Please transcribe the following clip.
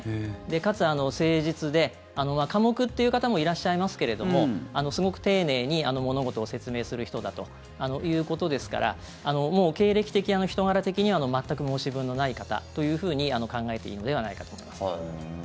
かつ誠実で、寡黙って言う方もいらっしゃいますけれどもすごく丁寧に物事を説明する人だということですからもう経歴的・人柄的に全く申し分のない方というふうに考えていいのではないかと思いますね。